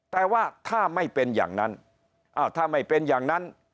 แต่ว่าถ้าไม่เป็นอย่างนั้นอ้าวถ้าไม่เป็นอย่างนั้น